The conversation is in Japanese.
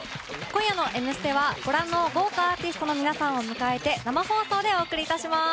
今夜の「Ｍステ」はご覧の豪華アーティストの皆さんを迎えて生放送でお送り致します。